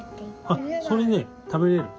あっそれね食べれる。